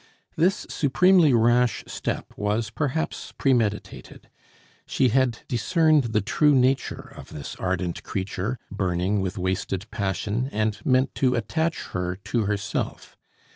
This supremely rash step was, perhaps premeditated; she had discerned the true nature of this ardent creature, burning with wasted passion, and meant to attach her to herself.